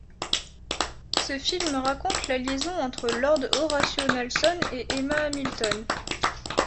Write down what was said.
Ce film raconte la liaison entre Lord Horatio Nelson et Emma Hamilton.